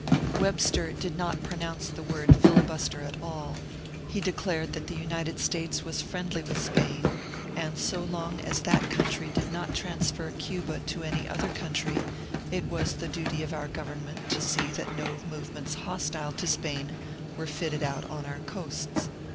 Webster did not pronounce the word ^* filibuster " at all ; he declared that the United States was friendly with Spain, and so long as that country did not transfer Cuba to any other country it was the duty of our government to see that no movements hostile to Spain were fitted out on our coasts.